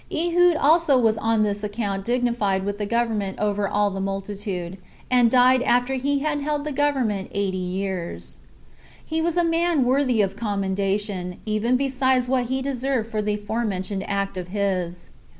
Ehud also was on this account dignified with the government over all the multitude, and died after he had held the government eighty years 15 He was a man worthy of commendation, even besides what he deserved for the forementioned act of his.